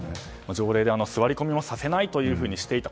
条例で座り込みもさせないとしていた。